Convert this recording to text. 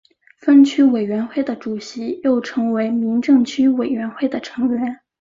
分区委员会的主席又成为民政区委员会的成员。